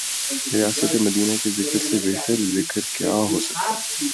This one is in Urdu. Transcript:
ریاست مدینہ کے ذکر سے بہترذکر کیا ہوسکتاہے۔